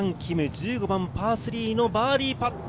１５番パー３のバーディーパット。